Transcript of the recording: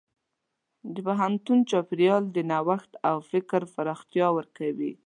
د پوهنتون چاپېریال د نوښت او فکر پراختیا ورکوي.